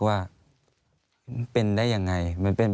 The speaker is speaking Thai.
อันดับ๖๓๕จัดใช้วิจิตร